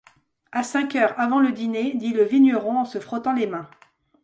À cinq heures, avant le dîner, dit le vigneron en se frottant les mains.